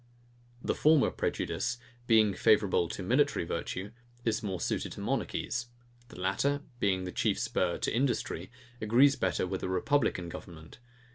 The former prejudice, being favourable to military virtue, is more suited to monarchies. The latter, being the chief spur to industry, agrees better with a republican government.